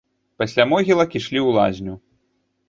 Пасля могілак ішлі ў лазню.